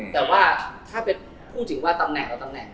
แต่ว่าถ้าพูดถึงว่าตำแหน่งเราตำแหน่ง